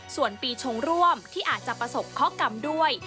ส่วนปีชงร่วมที่อาจจะประสบข้อกรรมด้วย